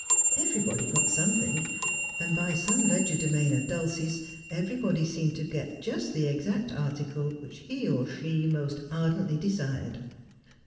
Everybody got something : and by some legerdemain of Dulcie's everybody seemed to get just the exact article which he or she most ardently desired.